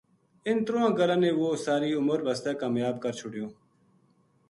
اِنھ ترواں گلاں نے وہ ساری عمر بسطے کامیاب کر چھوڈیو